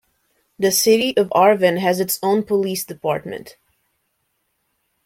The city of Arvin has its own police department.